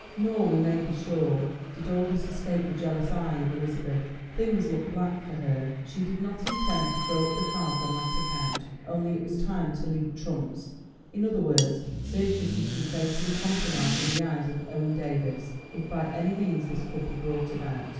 Nor, we may be sure, did all this escape the jealous eye of Elizabeth. Things looked black for her, but she did not intend to throw up the cards on that account. Only it was time to lead trumps. In other words, Beatrice must be fatally compromised in the eyes of Owen Davies, if by any means this could be brought about.